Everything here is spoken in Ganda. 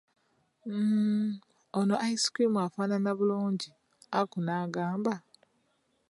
Mmmm, ono ice cream afaanana bulungi, Aku n'agamba.